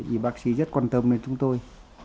y bác sĩ rất quan tâm đến chúng tôi